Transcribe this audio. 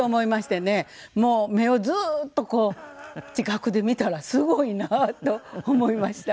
もう目をずっとこう近くで見たらすごいなと思いました。